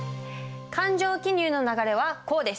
勘定記入の流れはこうです。